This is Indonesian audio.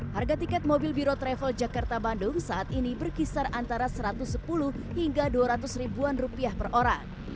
harga tiket mobil biro travel jakarta bandung saat ini berkisar antara satu ratus sepuluh hingga dua ratus ribuan rupiah per orang